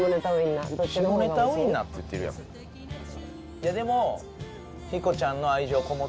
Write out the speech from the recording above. いやでも。